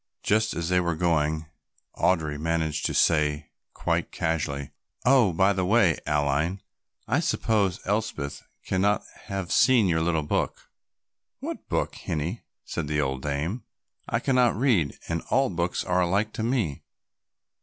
Just as they were going Audry managed to say quite casually, "Oh, by the way, Aline, I suppose Elspeth cannot have seen your little book." "What book, hinnie?" said the old dame. "I cannot read and all books are alike to me."